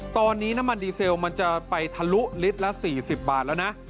ตอนนี้น้ำมันดีเซลมันจะไปทะลุลิตรละ๔๐บาทแล้วนะ